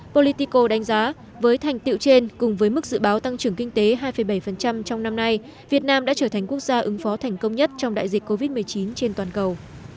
politico đánh giá với thành tiệu trên cùng với mức dự báo tăng trưởng kinh tế hai bảy trong năm nay việt nam đã trở thành quốc gia ứng phó thành công nhất trong đại dịch covid một mươi chín trên toàn cầu